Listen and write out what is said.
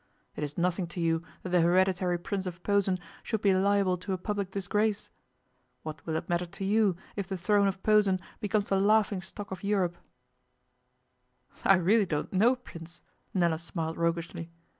It is nothing to you that the Hereditary Prince of Posen should be liable to a public disgrace. What will it matter to you if the throne of Posen becomes the laughing stock of Europe?' 'I really don't know, Prince,' Nella smiled roguishly.